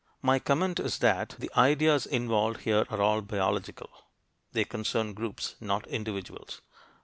My comment is that the ideas involved here are all biological: they concern groups, not individuals.